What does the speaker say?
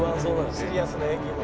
「シリアスな演技も」